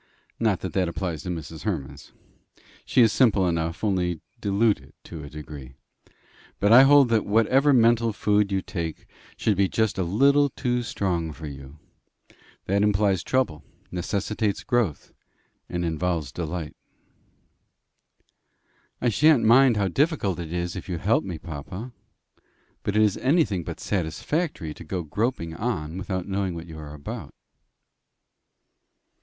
Not that that applies to Mrs. Hemans. She is simple enough, only diluted to a degree. But I hold that whatever mental food you take should be just a little too strong for you. That implies trouble, necessitates growth, and involves delight." "I sha'n't mind how difficult it is if you help me, papa. But it is anything but satisfactory to go groping on without knowing what you are about."